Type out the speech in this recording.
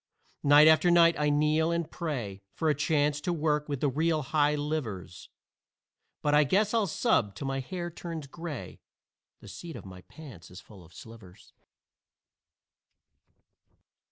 Night after night I kneel and pray For a chance to work with the real high livers, But I guess I'll sub till my hair turns gray The seat of my pants is full of slivers.